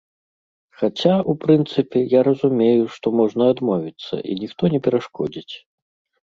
Хаця, у прынцыпе, я разумею, што можна адмовіцца і ніхто не перашкодзіць.